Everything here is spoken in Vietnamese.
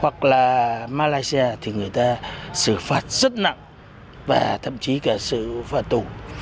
hoặc là malaysia thì người ta xử phạt rất nặng và thậm chí cả xử phạt tù